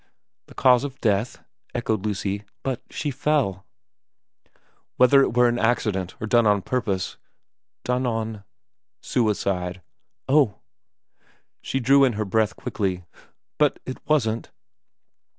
' The cause of death ?' echoed Lucy. * But she fell.' ' Whether it were an accident or done on purpose.' * Done on ?' n VERA 19 ' Suicide.' ' Oh ' She drew in her breath quickly. ' But^ it wasn't